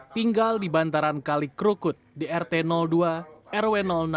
tinggal di bantaran kali krukut di rt dua rw enam